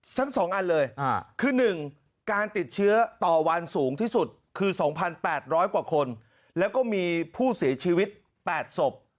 ทั้ง๒อันเลยคือ๑การติดเชื้อต่อวันสูงที่สุดคือ๒๘๐๐กว่าคนแล้วก็มีผู้เสียชีวิต๘ศพ